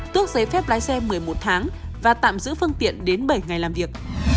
tước giấy phép lái xe một mươi một tháng và tạm giữ phương tiện đến bảy ngày làm việc